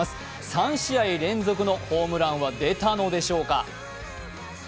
３試合連続のホームランは出たのでしょうか。